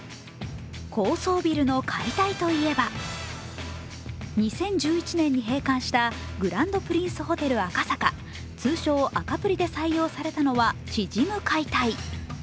高層ビルの解体といえば、２０１１年に閉館したグランドプリンスホテル赤坂、通称・赤プリで採用されたのは縮む解体。